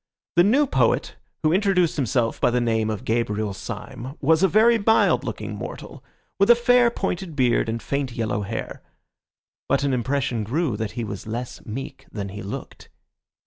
The new poet, who introduced himself by the name of Gabriel Syme was a very mild looking mortal, with a fair, pointed beard and faint, yellow hair. But an impression grew that he was less meek than he looked.